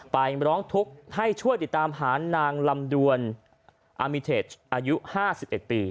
ร้องทุกข์ให้ช่วยติดตามหานางลำดวนอามิเทจอายุ๕๑ปี